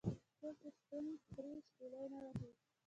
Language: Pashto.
ـ څوک چې ستوان خوري شپېلۍ نه وهي .